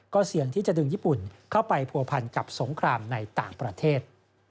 เสี่ยงที่จะดึงญี่ปุ่นเข้าไปผัวพันกับสงครามในต่างประเทศ